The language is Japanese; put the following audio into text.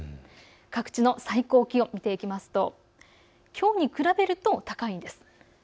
各地の最高気温を見ていくときょうに比べると高いんです。